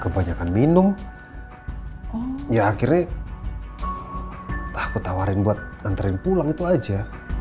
kebanyakan minum ya akhirnya takut tawarin buat anterin pulang itu aja